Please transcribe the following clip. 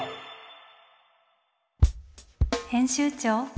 編集長